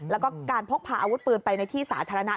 แล้วก็การพกพาอาวุธปืนไปในที่สาธารณะ